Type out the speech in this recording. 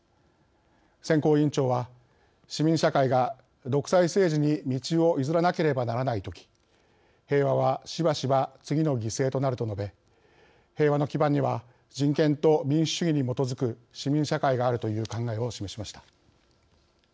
選考委員長は「市民社会が独裁政治に道を譲らなければならない時平和はしばしば次の犠牲となる」と述べ平和の基盤には人権と民主主義に基づく市民社会があるという考えを示しました。